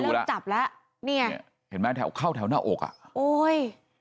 เริ่มจับแล้วเนี่ยเห็นไหมแถวเข้าแถวหน้าอกอ่ะโอ้ย